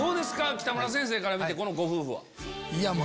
北村先生から見てこのご夫婦は。